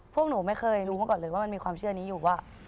พวกหนูไม่เคยรู้มาก่อนเลยว่ามันมีความเชื่อนี้อยู่ว่า